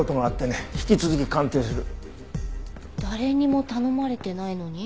誰にも頼まれてないのに？